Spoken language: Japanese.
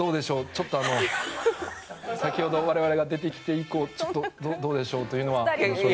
ちょっと先ほど我々が出てきて以降ちょっとどうでしょうというのは正直。